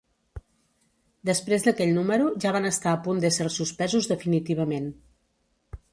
Després d'aquell número ja van estar a punt d'ésser suspesos definitivament.